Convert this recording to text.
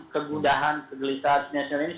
kegudahan kegelisahan nasional ini